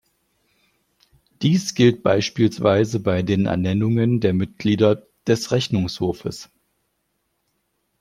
Dies gilt beispielsweise bei den Ernennungen der Mitglieder des Rechnungshofes.